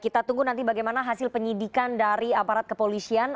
kita tunggu nanti bagaimana hasil penyidikan dari aparat kepolisian